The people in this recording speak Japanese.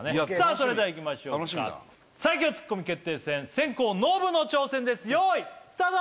それではいきましょうか最強ツッコミ決定戦先攻ノブの挑戦です用意スタート！